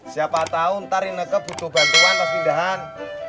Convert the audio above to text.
siapa tau ntar ineke butuh bantuan pas pindahan